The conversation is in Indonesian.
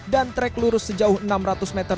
dan trek lurus sejauh enam ratus meter